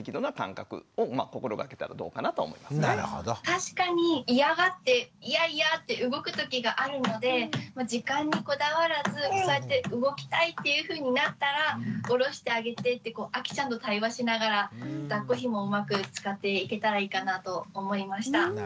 確かに嫌がってイヤイヤって動く時があるので時間にこだわらずそうやって動きたいっていうふうになったらおろしてあげてってあきちゃんと対話しながらだっこひもをうまく使っていけたらいいかなと思いました。